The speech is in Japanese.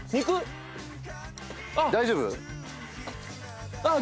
大丈夫？